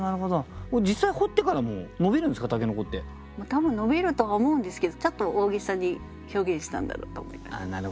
多分伸びるとは思うんですけどちょっと大げさに表現したんだろうと思います。